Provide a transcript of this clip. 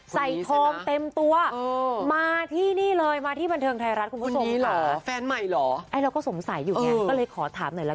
ใส่ทองเต็มตัวมาที่นี่เลยมาที่บันเทิงไทยรัฐคุณผู้ชม